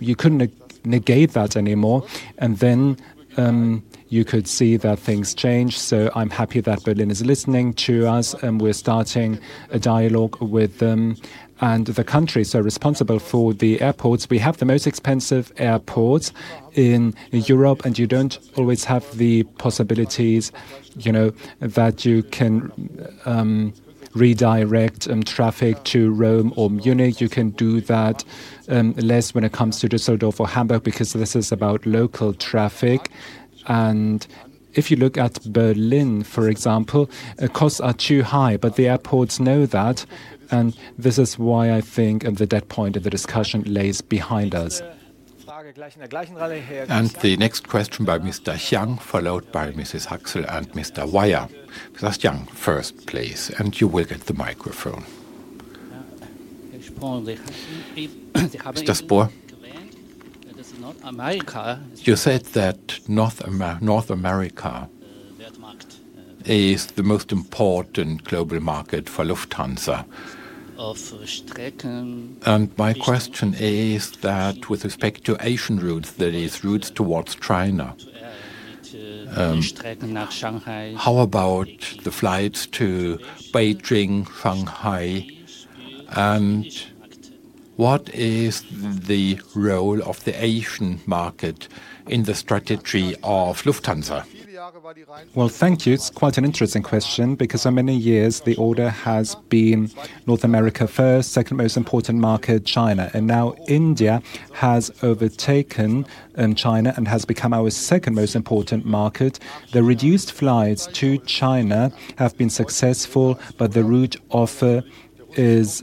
you couldn't negate that anymore. You could see that things changed. I'm happy that Berlin is listening to us, and we're starting a dialogue with them and the country. Responsible for the airports, we have the most expensive airports in Europe, and you don't always have the possibilities, you know, that you can redirect traffic to Rome or Munich. You can do that less when it comes to Düsseldorf or Hamburg, because this is about local traffic. If you look at Berlin, for example, costs are too high, but the airports know that, and this is why I think the dead point of the discussion lays behind us. The next question by Mr. Xiang, followed by Mrs. Haxel and Mr. Weyer. Mr. Xiang first, please, and you will get the microphone. Mr. Spohr. You said that North America is the most important global market for Lufthansa. My question is that with respect to Asian routes, that is routes towards China.How about the flights to Beijing, Shanghai, what is the role of the Asian market in the strategy of Lufthansa? Well, thank you. It's quite an interesting question because for many years the order has been North America first, second most important market, China. Now India has overtaken China and has become our second most important market. The reduced flights to China have been successful, but the route offer is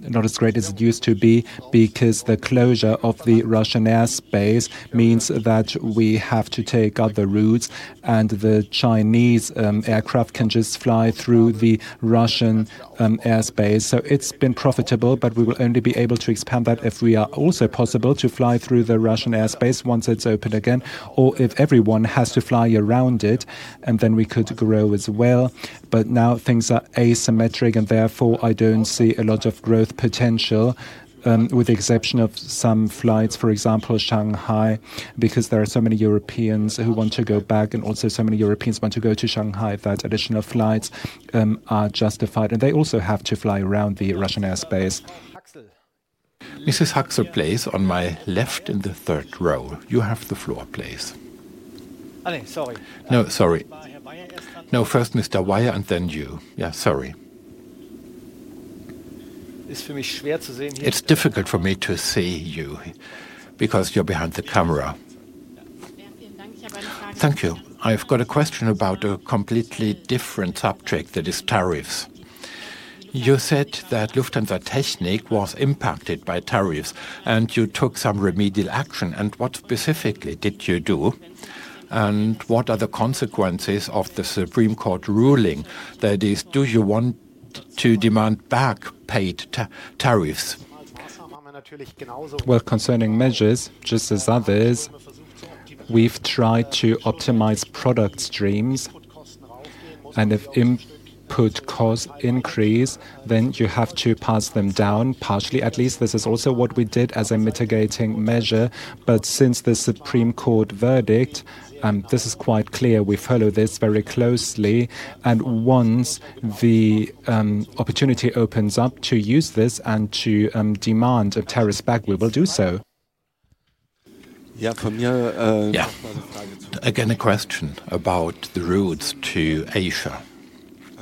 not as great as it used to be because the closure of the Russian airspace means that we have to take other routes and the Chinese aircraft can just fly through the Russian airspace. It's been profitable, but we will only be able to expand that if we are also possible to fly through the Russian airspace once it's open again, or if everyone has to fly around it, and then we could grow as well. Now things are asymmetric and therefore I don't see a lot of growth potential, with the exception of some flights, for example, Shanghai, because there are so many Europeans who want to go back and also so many Europeans want to go to Shanghai. That additional flights, are justified, and they also have to fly around the Russian airspace. Mrs. Haxel, please, on my left in the third row. You have the floor, please. Sorry. No, first Mr. Weyer and then you. Yeah. Sorry. It's difficult for me to see you because you're behind the camera. Thank you. I've got a question about a completely different subject, that is tariffs. You said that Lufthansa Technik was impacted by tariffs, and you took some remedial action. What specifically did you do? What are the consequences of the Supreme Court ruling? That is, do you want to demand back paid tariffs? Concerning measures, just as others, we've tried to optimize product streams, and if input cost increase, then you have to pass them down, partially at least. This is also what we did as a mitigating measure. Since the Supreme Court verdict, this is quite clear. We follow this very closely. Once the opportunity opens up to use this and to demand the tariffs back, we will do so. Again, a question about the routes to Asia.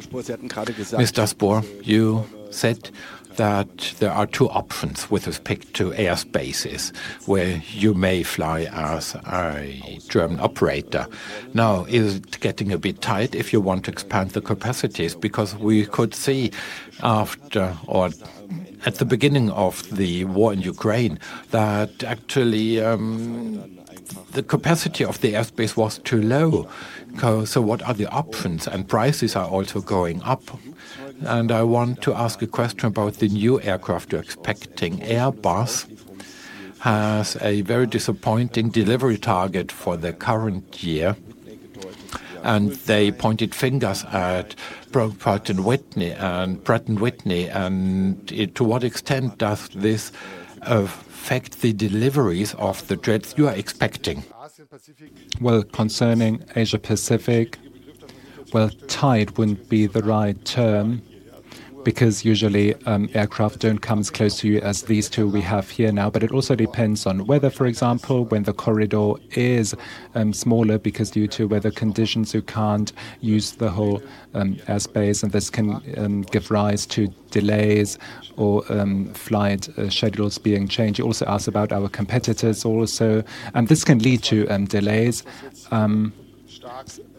Mr. Spohr, you said that there are two options with respect to airspaces where you may fly as a German operator. Is it getting a bit tight if you want to expand the capacities? We could see after or at the beginning of the war in Ukraine that actually, the capacity of the airspace was too low. What are the options? Prices are also going up. I want to ask a question about the new aircraft you're expecting. Airbus has a very disappointing delivery target for the current year, and they pointed fingers at Pratt & Whitney. To what extent does this affect the deliveries of the jets you are expecting? Concerning Asia-Pacific, well, tight wouldn't be the right term because usually, aircraft don't come as close to you as these two we have here now. It also depends on weather, for example, when the corridor is smaller because due to weather conditions, you can't use the whole airspace, and this can give rise to delays or flight schedules being changed. You also asked about our competitors also. This can lead to delays,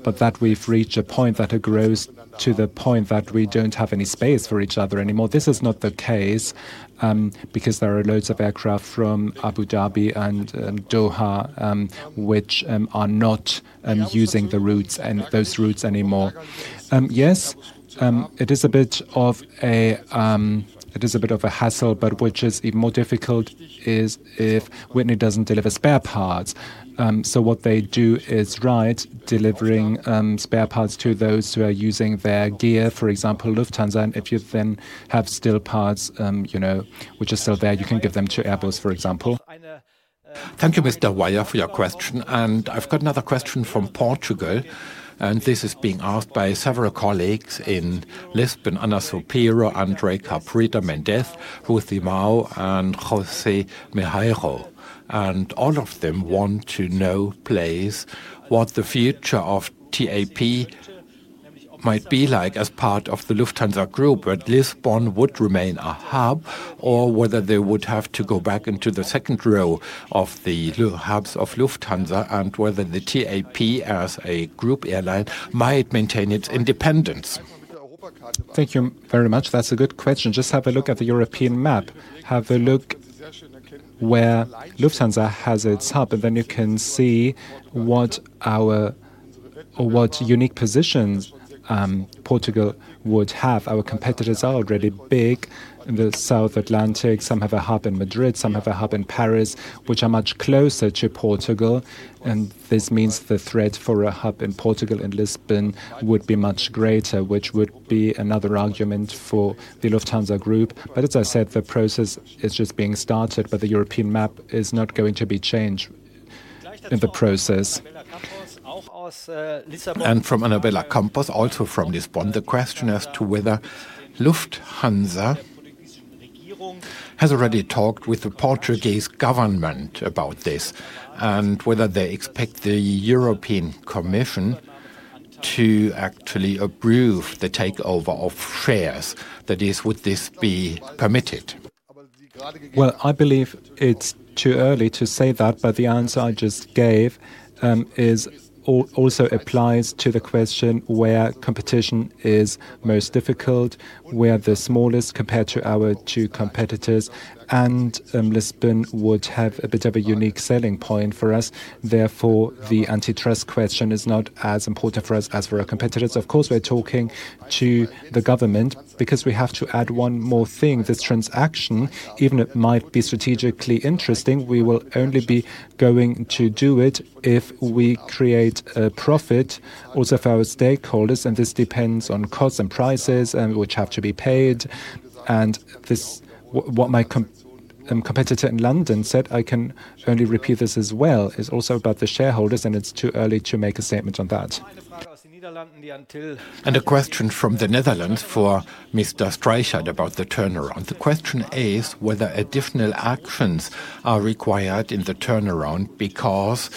but that we've reached a point that it grows to the point that we don't have any space for each other anymore. This is not the case, because there are loads of aircraft from Abu Dhabi and Doha, which are not using the routes and those routes anymore. Yes, it is a bit of a hassle. Which is even more difficult is if Whitney doesn't deliver spare parts. What they do is ride delivering spare parts to those who are using their gear, for example, Lufthansa. If you then have still parts, you know, which are still there, you can give them to Airbus, for example. Thank you, Mr. Weyer, for your question. I've got another question from Portugal, and this is being asked by several colleagues in Lisbon, Ana Suspiro, André Cabrita-Mendes, José Mão, and José Nicolau de Melo. All of them want to know, please, what the future of TAP might be like as part of the Lufthansa Group, whether Lisbon would remain a hub, or whether they would have to go back into the second row of the hubs of Lufthansa, and whether the TAP as a group airline might maintain its independence. Thank you very much. That's a good question. Just have a look at the European map. Have a look where Lufthansa has its hub, and then you can see what our, or what unique positions, Portugal would have. Our competitors are already big in the South Atlantic. Some have a hub in Madrid, some have a hub in Paris, which are much closer to Portugal, and this means the threat for a hub in Portugal and Lisbon would be much greater, which would be another argument for the Lufthansa Group. As I said, the process is just being started, but the European map is not going to be changed in the process. From Anabela Campos, also from Lisbon, the question as to whether Lufthansa has already talked with the Portuguese government about this and whether they expect the European Commission to actually approve the takeover of shares. That is, would this be permitted? I believe it's too early to say that, but the answer I just gave also applies to the question where competition is most difficult. We are the smallest compared to our two competitors, and Lisbon would have a bit of a unique selling point for us. Therefore, the antitrust question is not as important for us as for our competitors. Of course, we're talking to the government because we have to add one more thing. This transaction, even it might be strategically interesting, we will only be going to do it if we create a profit also for our stakeholders, and this depends on costs and prices, which have to be paid. This, what my competitor in London said, I can only repeat this as well, is also about the shareholders. It's too early to make a statement on that. A question from the Netherlands for Mr. Streichert about the turnaround. The question is whether additional actions are required in the turnaround because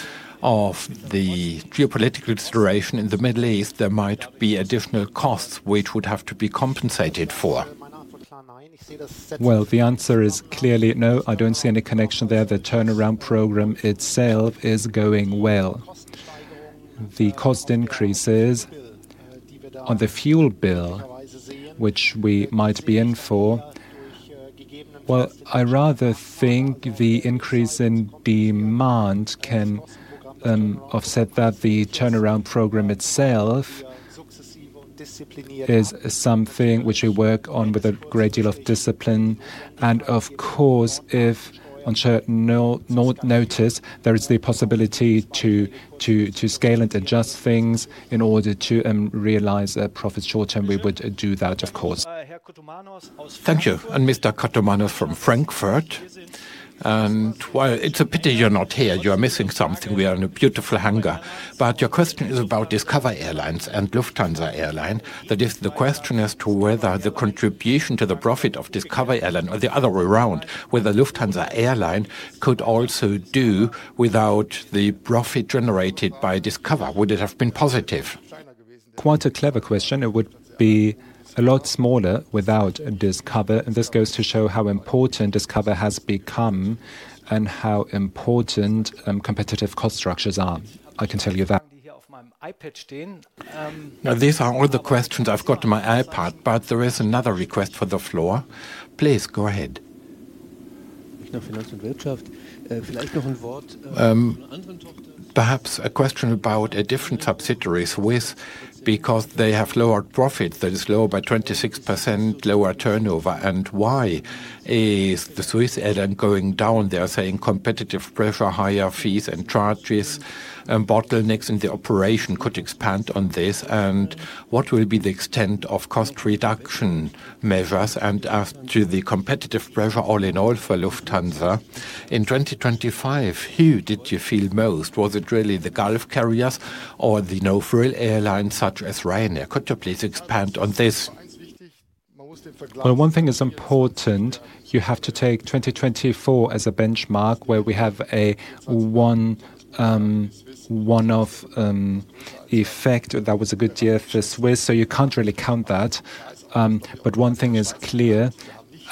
of the geopolitical situation in the Middle East, there might be additional costs which would have to be compensated for. Well, the answer is clearly no. I don't see any connection there. The turnaround program itself is going well. The cost increases on the fuel bill, which we might be in for, well, I rather think the increase in demand can offset that. The turnaround program itself is something which we work on with a great deal of discipline. Of course, if on short no notice there is the possibility to scale and adjust things in order to realize a profit short term, we would do that, of course. Thank you. Mr. Kottermanos from Frankfurt, well, it's a pity you're not here. You're missing something. We are in a beautiful hangar. Your question is about Discover Airlines and Lufthansa Airline. That is the question as to whether the contribution to the profit of Discover Airline, or the other way around, whether Lufthansa Airline could also do without the profit generated by Discover. Would it have been positive? Quite a clever question. It would be a lot smaller without Discover, and this goes to show how important Discover has become and how important competitive cost structures are. I can tell you that. These are all the questions I've got on my iPad, but there is another request for the floor. Please go ahead. Perhaps a question about different subsidiaries, because they have lower profits that is lower by 26%, lower turnover. Why is SWISS going down? They are saying competitive pressure, higher fees and charges and bottlenecks in the operation. Could expand on this? What will be the extent of cost reduction measures? As to the competitive pressure all in all for Lufthansa, in 2025, who did you feel most? Was it really the Gulf carriers or the no-frill airlines such as Ryanair? Could you please expand on this? One thing is important. You have to take 2024 as a benchmark where we have a one of effect. That was a good year for SWISS. You can't really count that. But one thing is clear,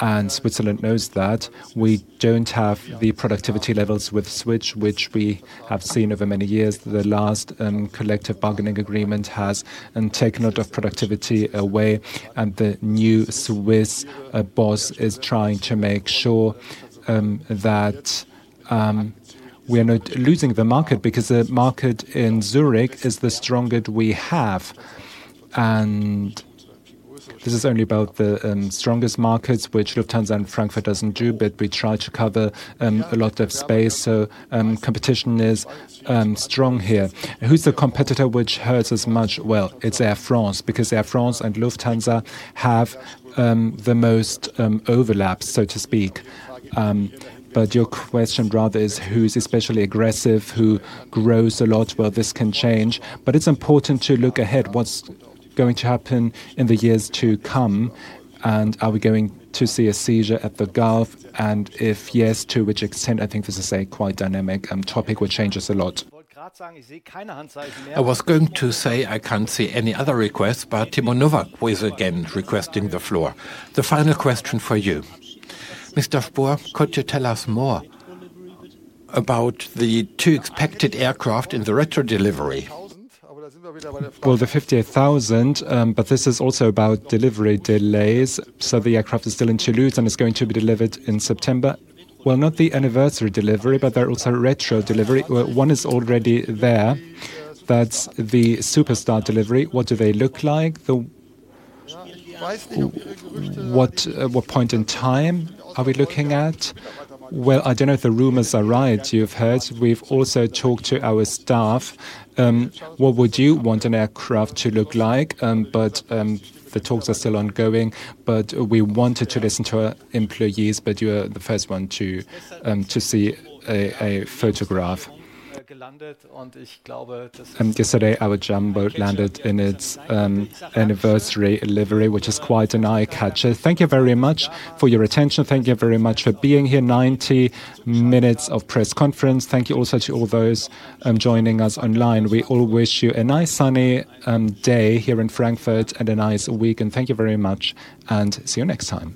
and Switzerland knows that, we don't have the productivity levels with SWISS which we have seen over many years. The last collective bargaining agreement has taken a lot of productivity away. The new Swiss boss is trying to make sure that we are not losing the market because the market in Zurich is the strongest we have. This is only about the strongest markets which Lufthansa in Frankfurt doesn't do, but we try to cover a lot of space, so competition is strong here. Who's the competitor which hurts as much? Well, it's Air France because Air France and Lufthansa have the most overlap, so to speak. Your question rather is, who's especially aggressive? Who grows a lot? This can change, but it's important to look ahead what's going to happen in the years to come, and are we going to see a seizure at the Gulf? If yes, to which extent? I think this is a quite dynamic topic which changes a lot. I was going to say I can't see any other requests. Timo Nowack, who is again requesting the floor. The final question for you. Mr. Spohr, could you tell us more about the two expected aircraft in the retro livery? The A380, this is also about delivery delays. The aircraft is still in Toulouse and is going to be delivered in September. Not the anniversary delivery, there are also retro livery. One is already there. That's the Super Star delivery. What do they look like? What point in time are we looking at? I don't know if the rumors are right. You've heard we've also talked to our staff. What would you want an aircraft to look like? The talks are still ongoing. We wanted to listen to our employees, you are the first one to see a photograph. Yesterday, our jumbo landed in its anniversary livery, which is quite an eye-catcher. Thank you very much for your attention. Thank you very much for being here. 90 minutes of press conference. Thank you also to all those joining us online. We all wish you a nice sunny day here in Frankfurt and a nice weekend. Thank you very much and see you next time.